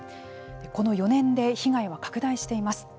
この４年で被害は拡大しています。